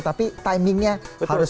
tapi timingnya harus pas